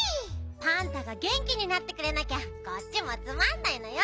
パンタがげんきになってくれなきゃこっちもつまんないのよ。